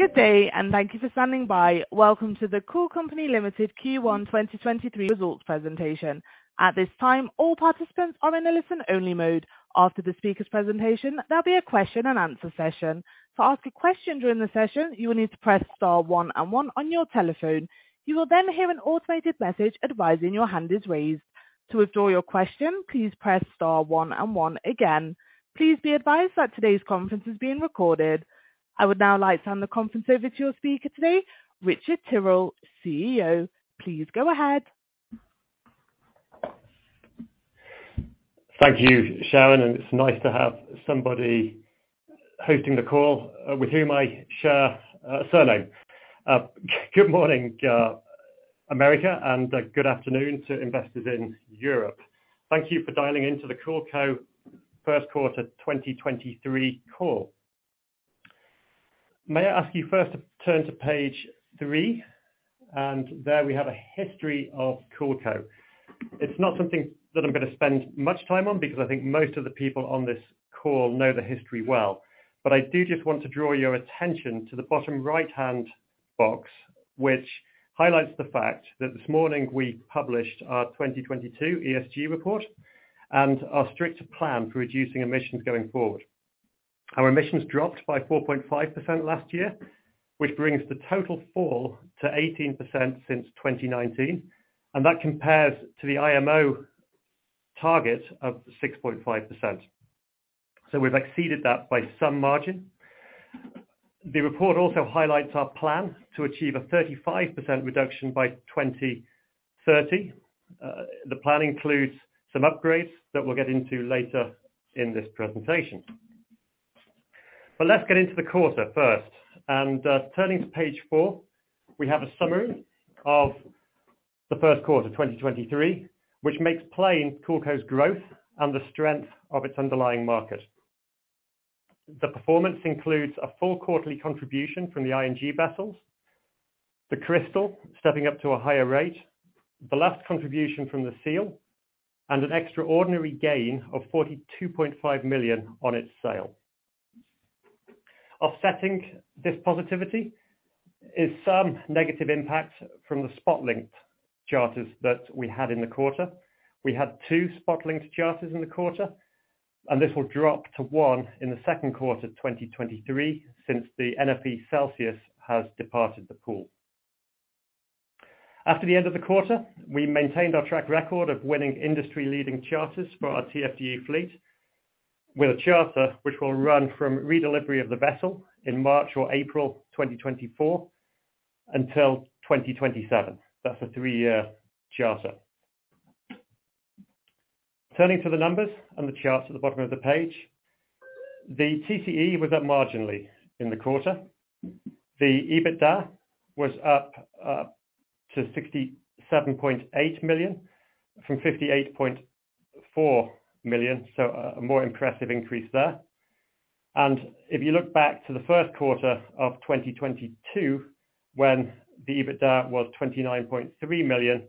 Good day, and thank you for standing by. Welcome to the Cool Company Ltd. Q1 2023 results presentation. At this time, all participants are in a listen-only mode. After the speaker's presentation, there'll be a question-and-answer session. To ask a question during the session, you will need to press star one and one on your telephone. You will hear an automated message advising your hand is raised. To withdraw your question, please press star one and one again. Please be advised that today's conference is being recorded. I would now like to hand the conference over to your speaker today, Richard Tyrrell, CEO. Please go ahead. Thank you, Sharon. It's nice to have somebody hosting the call, with whom I share a surname. Good morning, America, and good afternoon to investors in Europe. Thank you for dialing into the CoolCo first quarter 2023 call. May I ask you first to turn to page 3, and there we have a history of CoolCo. It's not something that I'm gonna spend much time on because I think most of the people on this call know the history well. I do just want to draw your attention to the bottom right-hand box, which highlights the fact that this morning we published our 2022 ESG report and our strict plan for reducing emissions going forward. Our emissions dropped by 4.5 last year, which brings the total fall to 18% since 2019. That compares to the IMO target of 6.5%. We've exceeded that by some margin. The report also highlights our plan to achieve a 35% reduction by 2030. The plan includes some upgrades that we'll get into later in this presentation. Let's get into the quarter first. Turning to page 4, we have a summary of the first quarter 2023, which makes plain CoolCo's growth and the strength of its underlying market. The performance includes a full quarterly contribution from the ING vessels, the Crystal stepping up to a higher rate, the last contribution from the Golar Seal, and an extraordinary gain of $42.5 million on its sale. Offsetting this positivity is some negative impact from the spot-linked charters that we had in the quarter. We had 2 spot-linked charters in the quarter. This will drop to 1 in the second quarter, 2023, since the Energos Celsius has departed the pool. After the end of the quarter, we maintained our track record of winning industry-leading charters for our TFDE fleet with a charter which will run from redelivery of the vessel in March or April 2024 until 2027. That's a 3-year charter. Turning to the numbers and the charts at the bottom of the page, the TCE was up marginally in the quarter. The EBITDA was up to $67.8 million from $58.4 million. A more impressive increase there. If you look back to the first quarter of 2022, when the EBITDA was $29.3 million,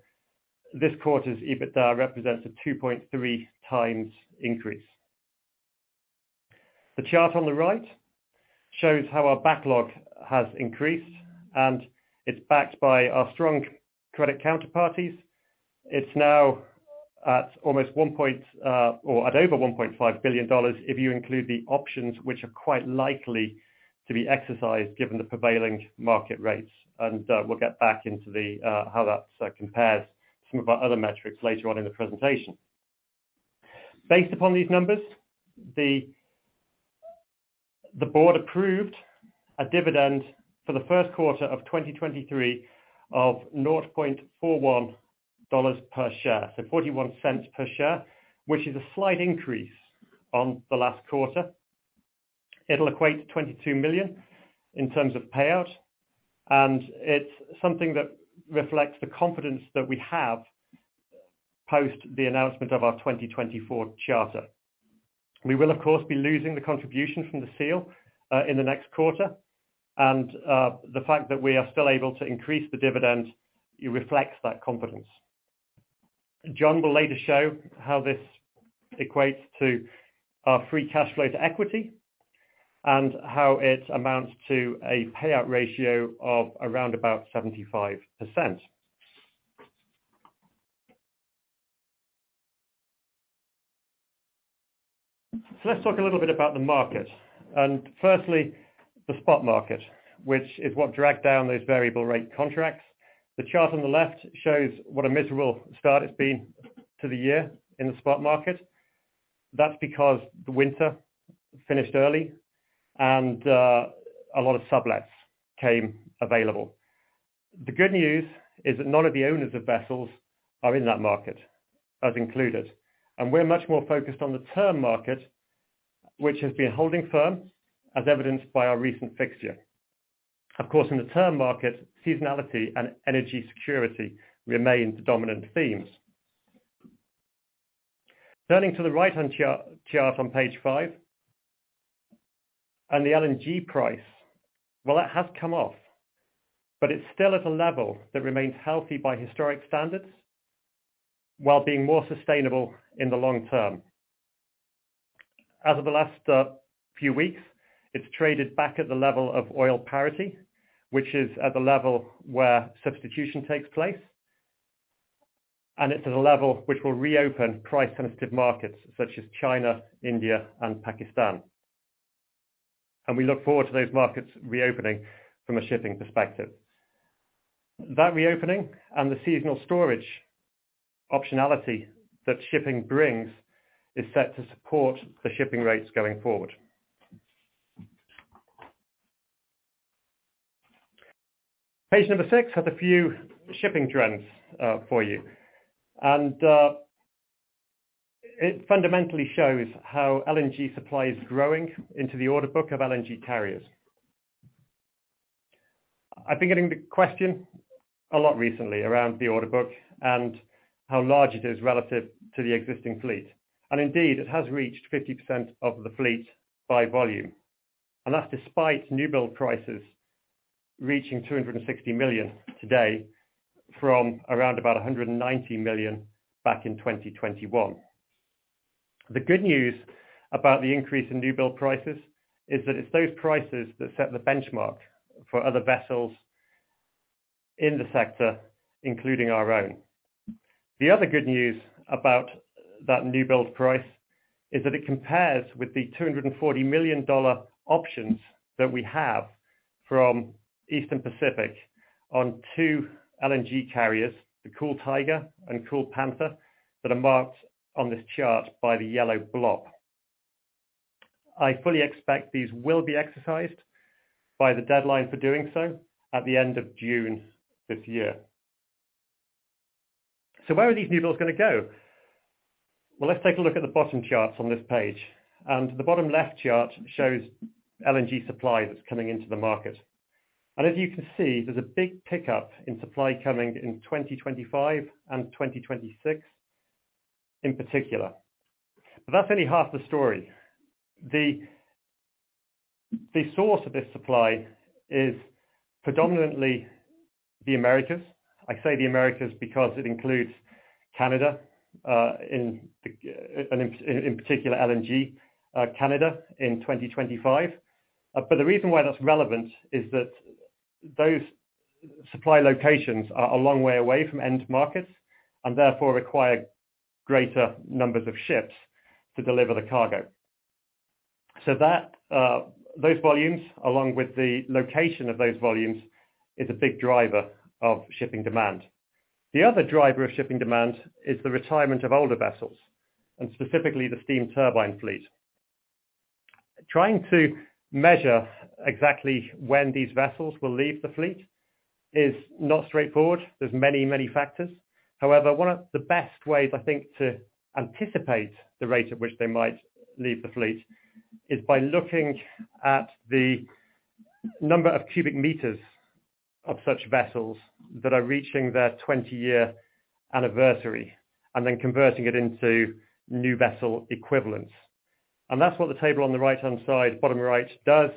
this quarter's EBITDA represents a 2.3 times increase. The chart on the right shows how our backlog has increased, it's backed by our strong credit counterparties. It's now at over $1.5 billion if you include the options which are quite likely to be exercised given the prevailing market rates. We'll get back into the how that compares some of our other metrics later on in the presentation. Based upon these numbers, the board approved a dividend for the first quarter of 2023 of $0.41 per share. $0.41 per share, which is a slight increase on the last quarter. It'll equate to $22 million in terms of payout. It's something that reflects the confidence that we have post the announcement of our 2024 charter. We will, of course, be losing the contribution from the Seal in the next quarter. The fact that we are still able to increase the dividend, it reflects that confidence. John will later show how this equates to our free cash flow to equity and how it amounts to a payout ratio of around about 75%. Let's talk a little bit about the market and firstly, the spot market, which is what dragged down those variable rate contracts. The chart on the left shows what a miserable start it's been to the year in the spot market. That's because the winter finished early. A lot of sublets came available. The good news is that none of the owners of vessels are in that market as included, and we're much more focused on the term market, which has been holding firm as evidenced by our recent fixture. Of course, in the term market, seasonality and energy security remain the dominant themes. Turning to the right-hand chart on page 5 and the LNG price. Well, it has come off, but it's still at a level that remains healthy by historic standards while being more sustainable in the long term. As of the last few weeks, it's traded back at the level of oil parity, which is at the level where substitution takes place. It's at a level which will reopen price-sensitive markets such as China, India, and Pakistan. We look forward to those markets reopening from a shipping perspective. That reopening and the seasonal storage optionality that shipping brings is set to support the shipping rates going forward. Page 6 has a few shipping trends for you. It fundamentally shows how LNG supply is growing into the order book of LNG carriers. I've been getting the question a lot recently around the order book and how large it is relative to the existing fleet. Indeed, it has reached 50% of the fleet by volume. That's despite new build prices reaching $260 million today from around about $190 million back in 2021. The good news about the increase in new build prices is that it's those prices that set the benchmark for other vessels in the sector, including our own. The other good news about that new build price is that it compares with the $240 million options that we have from Eastern Pacific on two LNG carriers, the Kool Tiger and Kool Panther, that are marked on this chart by the yellow block. I fully expect these will be exercised by the deadline for doing so at the end of June this year. Where are these new builds gonna go? Well, let's take a look at the bottom charts on this page. The bottom left chart shows LNG supply that's coming into the market. As you can see, there's a big pickup in supply coming in 2025 and 2026 in particular. That's only half the story. The source of this supply is predominantly the Americas. I say the Americas because it includes Canada, in particular, LNG Canada in 2025. The reason why that's relevant is that those supply locations are a long way away from end markets and therefore require greater numbers of ships to deliver the cargo. Those volumes, along with the location of those volumes, is a big driver of shipping demand. The other driver of shipping demand is the retirement of older vessels, and specifically the steam turbine fleet. Trying to measure exactly when these vessels will leave the fleet is not straightforward. There's many, many factors. However, one of the best ways, I think, to anticipate the rate at which they might leave the fleet is by looking at the number of cubic meters of such vessels that are reaching their 20-year anniversary and then converting it into new vessel equivalents. That's what the table on the right-hand side, bottom right does.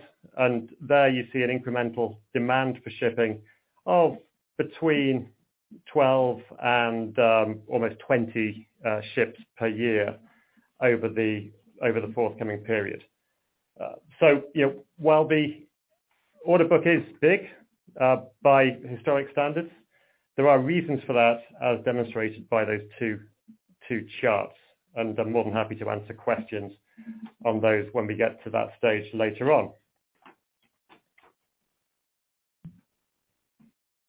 There you see an incremental demand for shipping of between 12 and almost 20 ships per year over the forthcoming period. While the order book is big by historic standards, there are reasons for that, as demonstrated by those two charts. I'm more than happy to answer questions on those when we get to that stage later on.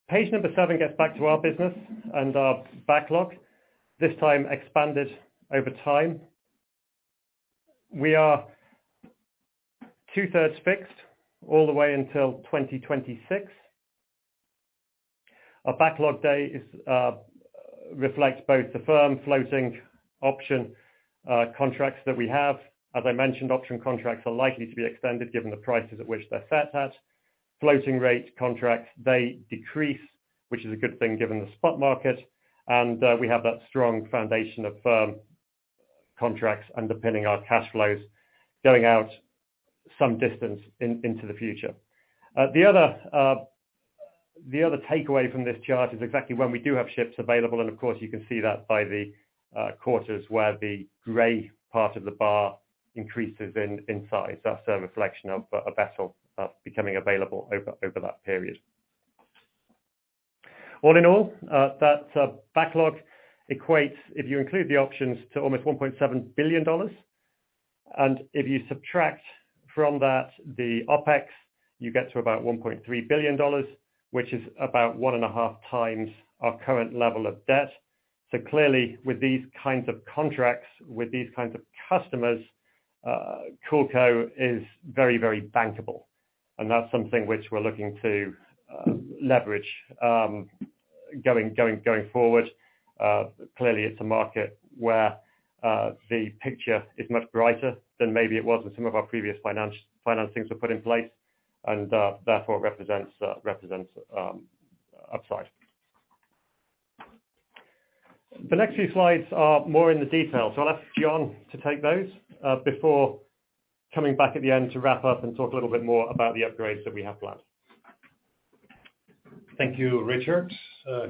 Page number 7 gets back to our business and our backlog, this time expanded over time. We are two-thirds fixed all the way until 2026. Our backlog day is, reflects both the firm floating option, contracts that we have. As I mentioned, option contracts are likely to be extended given the prices at which they're set at. Floating rate contracts, they decrease, which is a good thing given the spot market. We have that strong foundation of firm contracts underpinning our cash flows going out some distance in, into the future. The other, the other takeaway from this chart is exactly when we do have ships available, and of course, you can see that by the quarters where the gray part of the bar increases in size. That's a reflection of a vessel, becoming available over that period. All in all, that backlog equates, if you include the options, to almost $1.7 billion. If you subtract from that the OpEx, you get to about $1.3 billion, which is about 1.5 times our current level of debt. Clearly, with these kinds of contracts, with these kinds of customers, CoolCo is very bankable. That's something which we're looking to leverage going forward. Clearly it's a market where the picture is much brighter than maybe it was when some of our previous financings were put in place, and therefore represents upside. The next few slides are more in the detail, so I'll ask John to take those before coming back at the end to wrap up and talk a little bit more about the upgrades that we have planned. Thank you, Richard.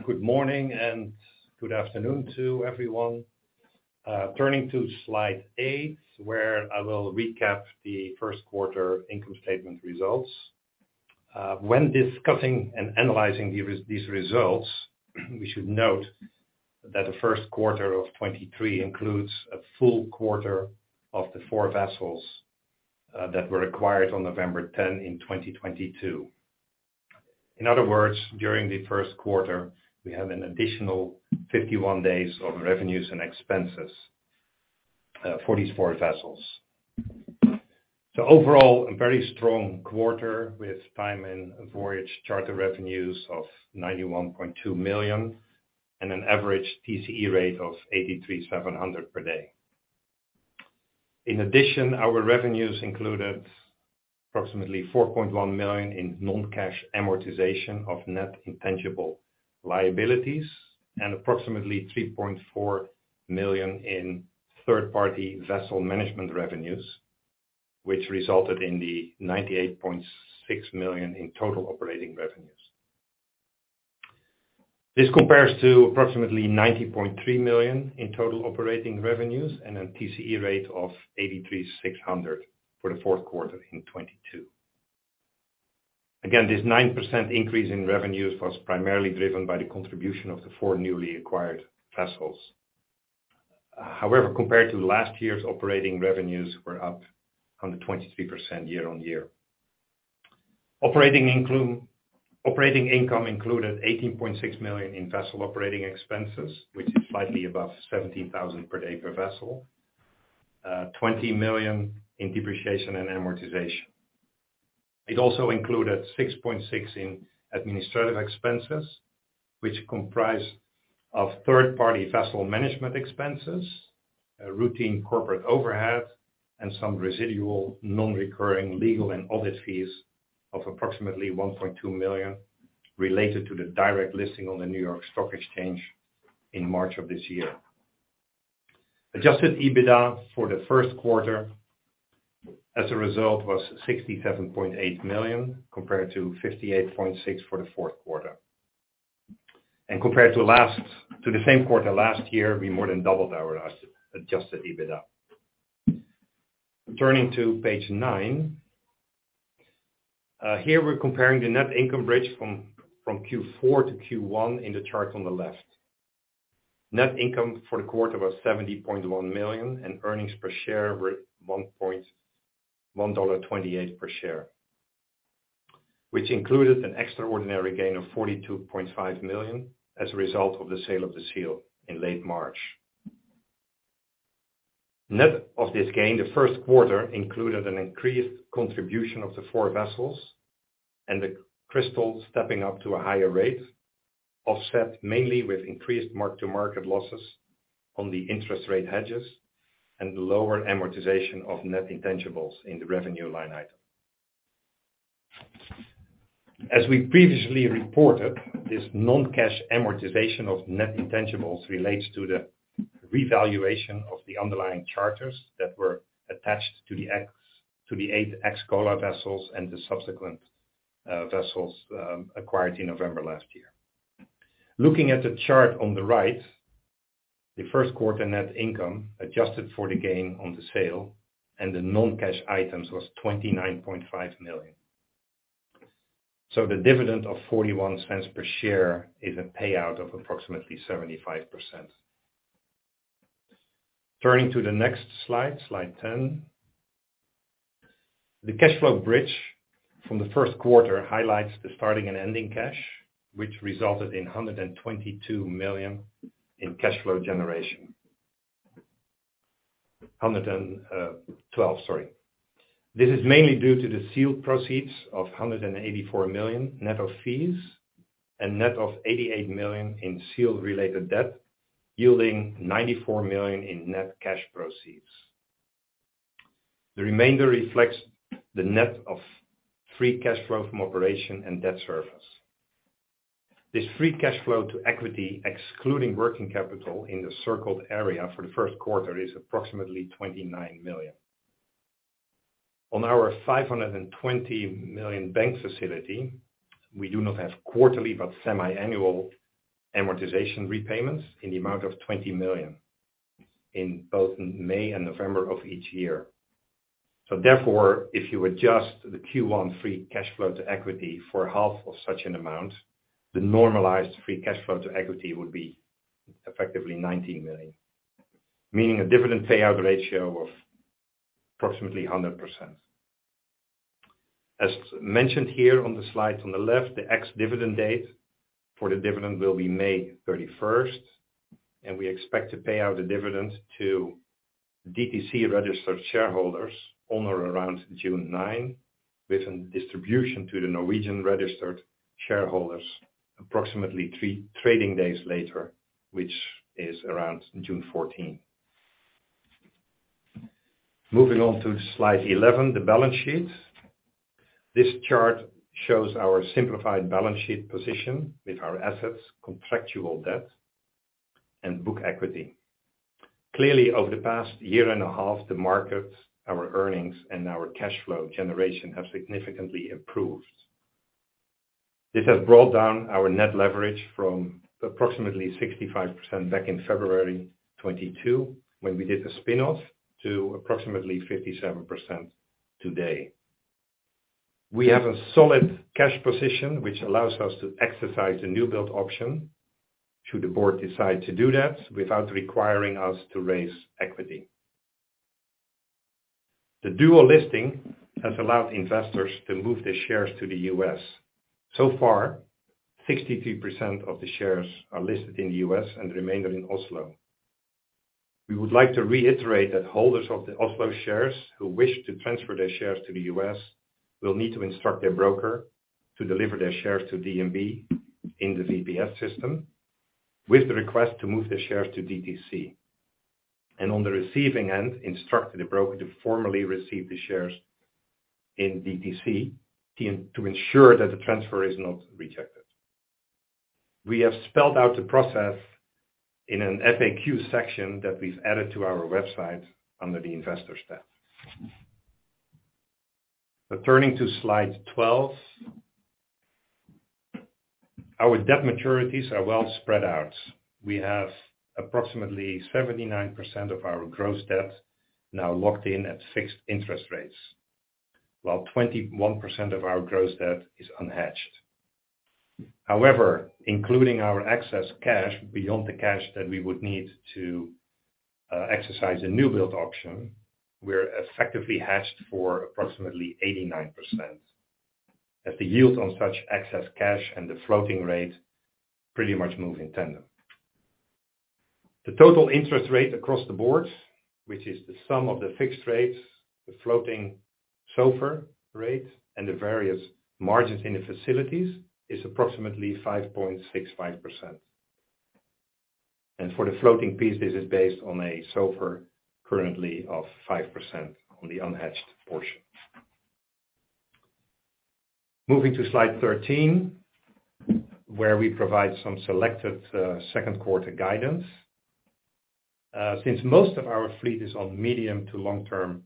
Good morning and good afternoon to everyone. Turning to slide 8, where I will recap the first quarter income statement results. When discussing and analyzing these results, we should note that the first quarter of 2023 includes a full quarter of the 4 vessels that were acquired on November 10 in 2022. In other words, during the first quarter, we have an additional 51 days of revenues and expenses for these 4 vessels. Overall, a very strong quarter with time and voyage charter revenues of $91.2 million and an average TCE rate of $83,700 per day. In addition, our revenues included approximately $4.1 million in non-cash amortization of net intangible liabilities and approximately $3.4 million in third-party vessel management revenues, which resulted in the $98.6 million in total operating revenues. This compares to approximately $90.3 million in total operating revenues and a TCE rate of $83,600 for the fourth quarter in 2022. This 9% increase in revenues was primarily driven by the contribution of the four newly acquired vessels. Compared to last year's operating revenues were up 123% year-on-year. Operating income included $18.6 million in vessel operating expenses, which is slightly above $17,000 per day per vessel. $20 million in depreciation and amortization. It also included $6.6 in administrative expenses, which comprise of third-party vessel management expenses, a routine corporate overhead, and some residual non-recurring legal and audit fees of approximately $1.2 million related to the direct listing on the New York Stock Exchange in March of this year. Adjusted EBITDA for the first quarter as a result was $67.8 million, compared to $58.6 for the fourth quarter. Compared to the same quarter last year, we more than doubled our adjusted EBITDA. Turning to page 9. Here we're comparing the net income bridge from Q4 to Q1 in the chart on the left. Net income for the quarter was $70.1 million, and earnings per share were $1.28 per share. Which included an extraordinary gain of $42.5 million as a result of the sale of the Seal in late March. Net of this gain, the first quarter included an increased contribution of the 4 vessels and the Crystal stepping up to a higher rate, offset mainly with increased mark-to-market losses on the interest rate hedges and lower amortization of net intangibles in the revenue line item. As we previously reported, this non-cash amortization of net intangibles relates to the revaluation of the underlying charters that were attached to the ex- to the ex-Golar vessels and the subsequent vessels acquired in November last year. Looking at the chart on the right, the first quarter net income adjusted for the gain on the sale and the non-cash items was $29.5 million. The dividend of $0.41 per share is a payout of approximately 75%. Turning to the next slide 10. The cash flow bridge from the first quarter highlights the starting and ending cash, which resulted in $122 million in cash flow generation. $112, sorry. This is mainly due to the Golar Seal proceeds of $184 million net of fees and net of $88 million in Golar Seal-related debt, yielding $94 million in net cash proceeds. The remainder reflects the net of free cash flow from operation and debt service. This free cash flow to equity, excluding working capital in the circled area for the first quarter, is approximately $29 million. On our $520 million bank facility, we do not have quarterly but semiannual amortization repayments in the amount of $20 million in both May and November of each year. Therefore, if you adjust the Q1 free cash flow to equity for half of such an amount, the normalized free cash flow to equity would be effectively $90 million, meaning a dividend payout ratio of approximately 100%. As mentioned here on the slide on the left, the ex-dividend date for the dividend will be May 31st, and we expect to pay out the dividend to DTC-registered shareholders on or around June 9, with a distribution to the Norwegian-registered shareholders approximately three trading days later, which is around June 14th. Moving on to slide 11, the balance sheet. This chart shows our simplified balance sheet position with our assets, contractual debt, and book equity. Clearly, over the past year and a half, the market, our earnings, and our cash flow generation have significantly improved. This has brought down our net leverage from approximately 65% back in February 2022, when we did the spin-off, to approximately 57% today. We have a solid cash position, which allows us to exercise the newbuild option should the board decide to do that without requiring us to raise equity. The dual listing has allowed investors to move their shares to the U.S. Far, 63% of the shares are listed in the U.S. and the remainder in Oslo. We would like to reiterate that holders of the Oslo shares who wish to transfer their shares to the U.S. will need to instruct their broker to deliver their shares to DNB in the VPS system with the request to move their shares to DTC. On the receiving end, instruct the broker to formally receive the shares in DTC to ensure that the transfer is not rejected. We have spelled out the process in an FAQ section that we've added to our website under the investor's tab. Turning to slide 12. Our debt maturities are well spread out. We have approximately 79% of our gross debt now locked in at fixed interest rates, while 21% of our gross debt is unhedged. However, including our excess cash beyond the cash that we would need to exercise a newbuild option, we're effectively hedged for approximately 89%, as the yield on such excess cash and the floating rate pretty much move in tandem. The total interest rate across the board, which is the sum of the fixed rates, the floating SOFR rate, and the various margins in the facilities, is approximately 5.65%. For the floating piece, this is based on a SOFR currently of 5% on the unhedged portion. Moving to slide 13, where we provide some selected second quarter guidance. Since most of our fleet is on medium to long-term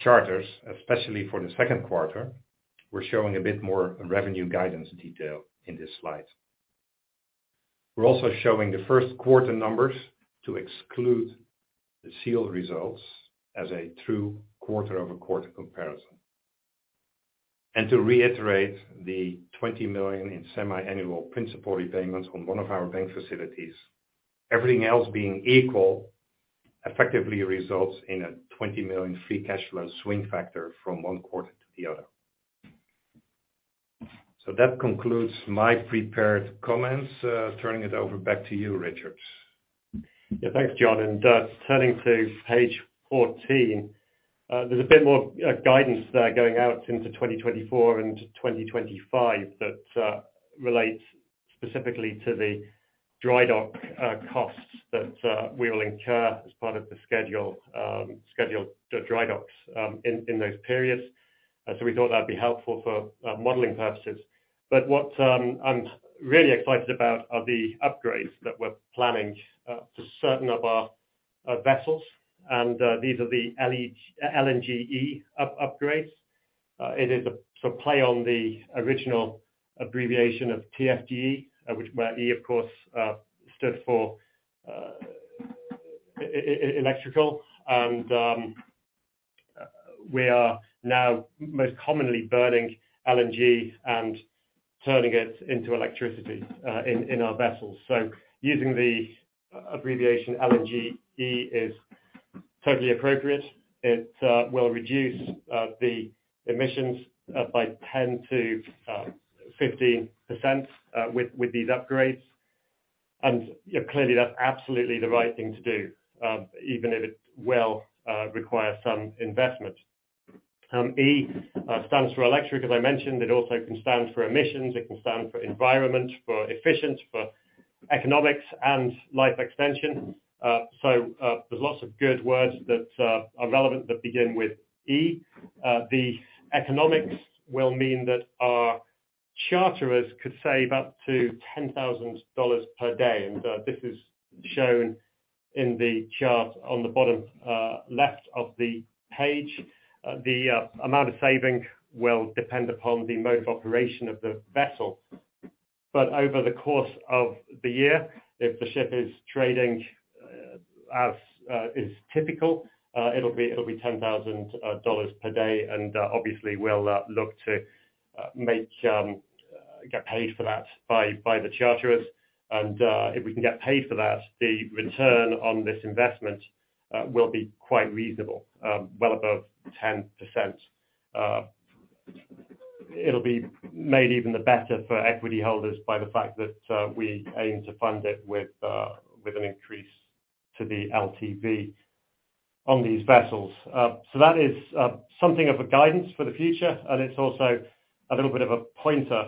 charters, especially for the second quarter, we're showing a bit more revenue guidance detail in this slide. We're also showing the first quarter numbers to exclude the Golar Seal results as a true quarter-over-quarter comparison. To reiterate the $20 million in semiannual principal repayments on one of our bank facilities, everything else being equal effectively results in a $20 million free cash flow swing factor from one quarter to the other. That concludes my prepared comments. Turning it over back to you, Richard. Yeah. Thanks, John. Turning to page 14, there's a bit more guidance there going out into 2024 and 2025 that relates specifically to the dry dock costs that we will incur as part of the schedule, scheduled dry docks in those periods. We thought that'd be helpful for modeling purposes. What I'm really excited about are the upgrades that we're planning to certain of our vessels, these are the LNG-E upgrades. It is a sort of play on the original abbreviation of TFDE, which where E, of course, stands for electrical. We are now most commonly burning LNG and turning it into electricity in our vessels. Using the abbreviation LNG-E is totally appropriate. It will reduce the emissions by 10%-15% with these upgrades. Yeah, clearly that's absolutely the right thing to do, even if it will require some investment. E stands for electric, as I mentioned. It also can stand for emissions. It can stand for environment, for efficient, for economics and life extension. There's lots of good words that are relevant that begin with E. The economics will mean that our charterers could save up to $10,000 per day. This is shown in the chart on the bottom left of the page. The amount of saving will depend upon the mode of operation of the vessel. Over the course of the year, if the ship is trading, as is typical, it'll be $10,000 per day. Obviously we'll look to make get paid for that by the charterers. If we can get paid for that, the return on this investment will be quite reasonable, well above 10%. It'll be made even the better for equity holders by the fact that we aim to fund it with an increase to the LTV on these vessels. That is something of a guidance for the future, and it's also a little bit of a pointer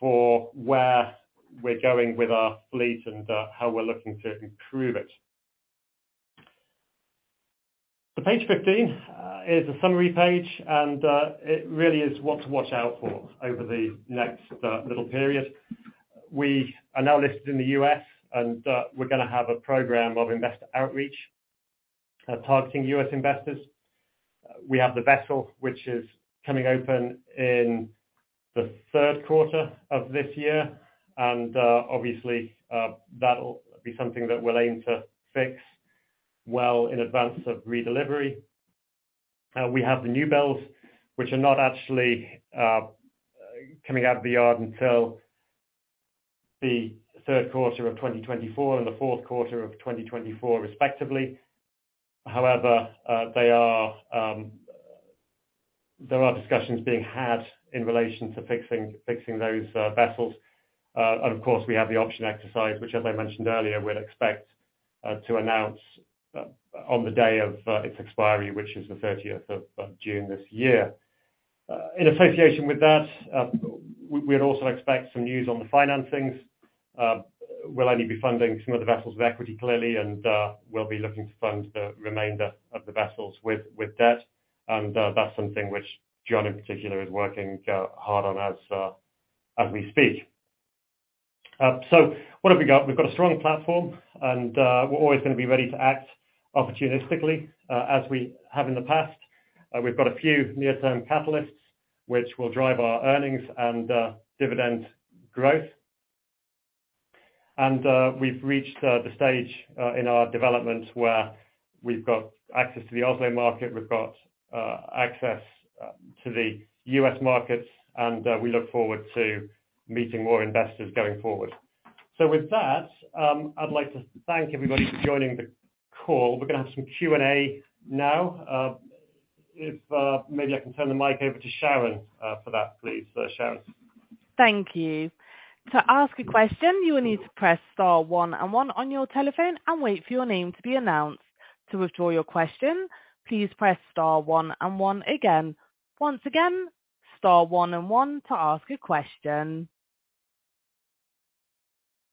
for where we're going with our fleet and how we're looking to improve it. Page 15 is a summary page, and it really is what to watch out for over the next little period. We are now listed in the U.S. and we're gonna have a program of investor outreach, targeting U.S. investors. We have the vessel which is coming open in the third quarter of this year and obviously that'll be something that we'll aim to fix well in advance of redelivery. We have the newbuilds, which are not actually coming out of the yard until the third quarter of 2024 and the fourth quarter of 2024 respectively. There are discussions being had in relation to fixing those vessels. Of course, we have the option exercise, which as I mentioned earlier, we'd expect to announce on the day of its expiry, which is the 30th of June this year. In association with that, we'd also expect some news on the financings. We'll only be funding some of the vessels with equity clearly, we'll be looking to fund the remainder of the vessels with debt. That's something which John in particular is working hard on as we speak. What have we got? We've got a strong platform and we're always gonna be ready to act opportunistically as we have in the past. We've got a few near-term catalysts which will drive our earnings and dividend growth. We've reached the stage in our development where we've got access to the Oslo market, we've got access to the U.S. markets, and we look forward to meeting more investors going forward. With that, I'd like to thank everybody for joining the call. We're gonna have some Q&A now. If maybe I can turn the mic over to Sharon for that please. Sharon. Thank you. To ask a question, you will need to press star 1 and 1 on your telephone and wait for your name to be announced. To withdraw your question, please press star 1 and 1 again. Once again, star 1 and 1 to ask a question.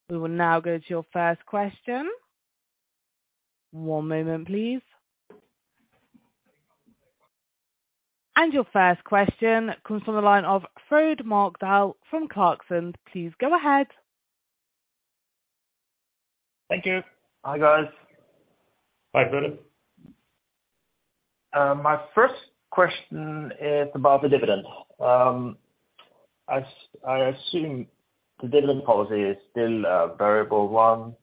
We will now go to your first question. One moment please. Your first question comes from the line of Frode Morkedal from Clarksons. Please go ahead. Thank you. Hi, guys. Hi, Frode. My first question is about the dividend. I assume the dividend policy is still a variable one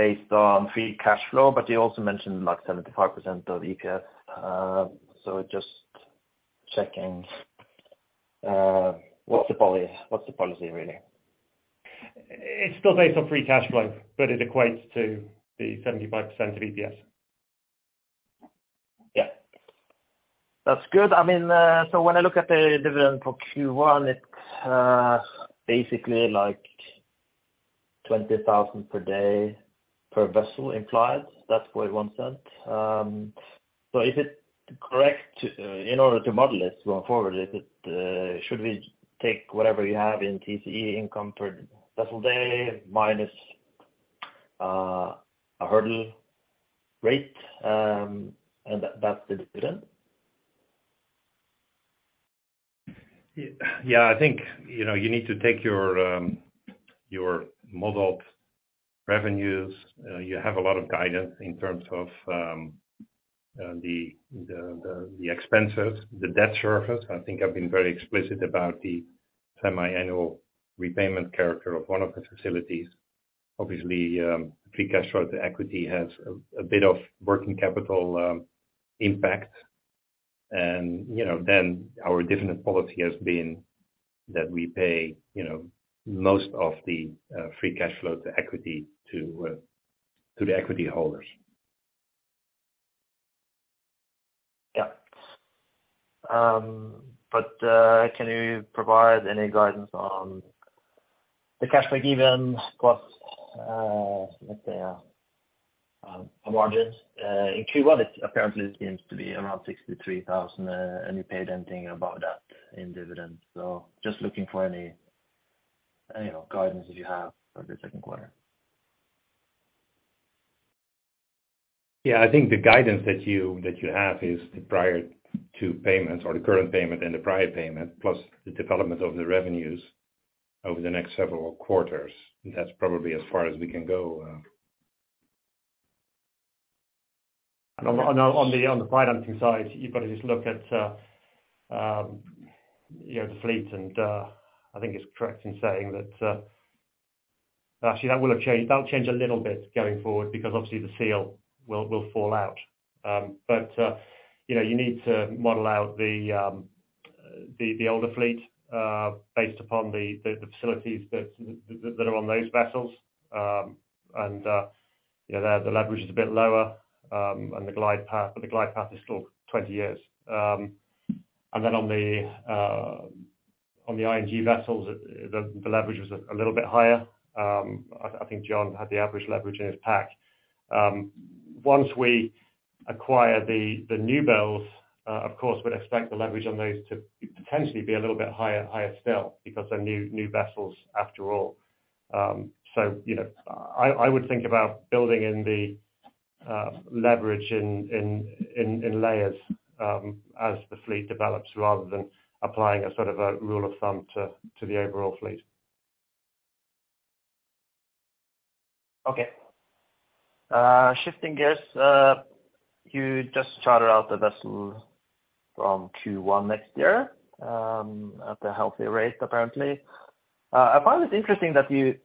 based on free cash flow, but you also mentioned like 75% of EPS. Just checking, what's the policy really? It's still based on free cash flow, but it equates to the 75% of EPS. Yeah. That's good. I mean, when I look at the dividend for Q1, it's basically like $20,000 per day per vessel implied. That's $0.001. Is it correct, in order to model this going forward, is it, should we take whatever you have in TCE income per vessel day minus, a hurdle rate, and that's the dividend? Yeah, I think you need to take your modeled revenues. You have a lot of guidance in terms of the expenses, the debt service. I think I've been very explicit about the semi-annual repayment character of one of the facilities. Obviously, free cash flow to equity has a bit of working capital impact then our dividend policy has been that we pay, you know, most of the free cash flow to equity to the equity holders. Yeah. Can you provide any guidance on the cash break-evens plus, let's say, margins? In Q1 it apparently seems to be around $63,000. You paid anything above that in dividends. Just looking for any guidance that you have for the second quarter. Yeah. I think the guidance that you have is the prior 2 payments or the current payment and the prior payment, plus the development of the revenues over the next several quarters. That's probably as far as we can go. On the financing side, you've got to just look at, you know, the fleet. I think it's correct in saying that actually that will have changed. That'll change a little bit going forward because obviously the Golar Seal will fall out you need to model out the older fleet based upon the facilities that are on those vessels. You know, the leverage is a bit lower and the glide path, but the glide path is still 20 years. On the ING vessels, the leverage was a little bit higher. I think John had the average leverage in his pack. Once we acquire the newbuilds, of course, we'd expect the leverage on those to potentially be a little bit higher still because they're new vessels after all. I would think about building in the leverage in layers, as the fleet develops, rather than applying a sort of a rule of thumb to the overall fleet. Okay. Shifting gears, you just chartered out the vessel from Q1 next year, at a healthy rate, apparently. I find it interesting that you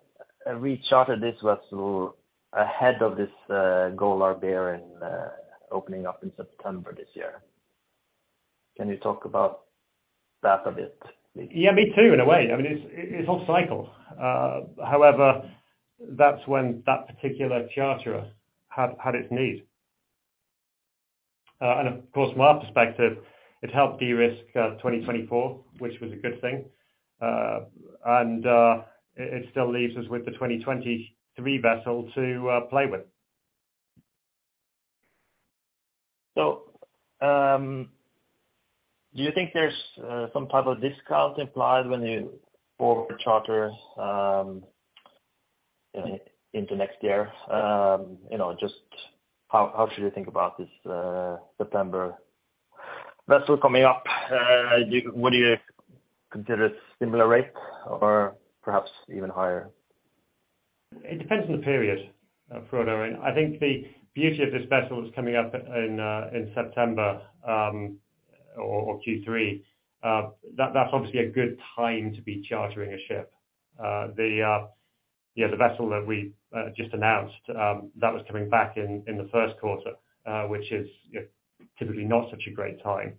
rechartered this vessel ahead of this Kool Bear opening up in September this year. Can you talk about that a bit? Yeah, me too, in a way. I mean, it's all cycle. That's when that particular charterer had its need. Of course, from our perspective, it helped de-risk 2024, which was a good thing. It still leaves us with the 2023 vessel to play with. Do you think there's some type of discount implied when you forward charter into next year? just how should you think about this September vessel coming up? Would you consider similar rate or perhaps even higher? It depends on the period, Frode. I think the beauty of this vessel that's coming up in September, or Q3, that's obviously a good time to be chartering a ship. The, yeah, the vessel that we just announced, that was coming back in the first quarter, which is, you know, typically not such a great time.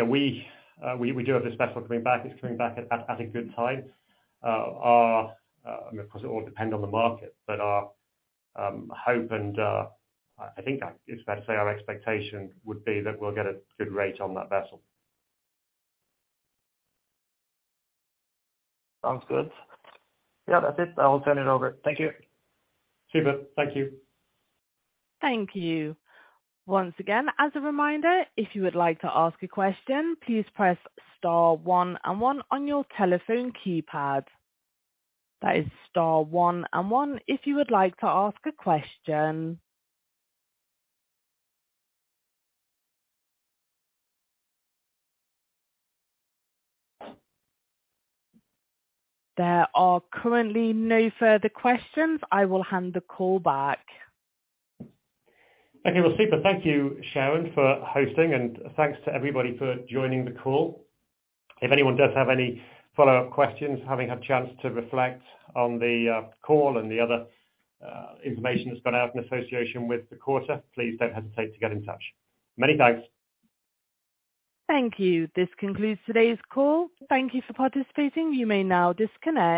We do have this vessel coming back. It's coming back at a good time. Our... I mean, of course, it will depend on the market, but our hope and, I think it's fair to say our expectation would be that we'll get a good rate on that vessel. Sounds good. Yeah, that's it. I'll turn it over. Thank you. See you. Thank you. Thank you. Once again, as a reminder, if you would like to ask a question, please press star one and one on your telephone keypad. That is star one and one if you would like to ask a question. There are currently no further questions. I will hand the call back. Okay. Well, super. Thank you, Sharon, for hosting, and thanks to everybody for joining the call. If anyone does have any follow-up questions, having had a chance to reflect on the call and the other information that's gone out in association with the quarter, please don't hesitate to get in touch. Many thanks. Thank you. This concludes today's call. Thank you for participating. You may now disconnect.